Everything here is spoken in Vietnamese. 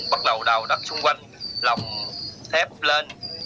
bắt đầu đào đắt xung quanh lòng thép lên